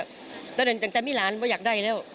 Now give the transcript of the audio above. แต่เดี๋ยวนี้จังแต่มีร้านก็อยากได้แล้ว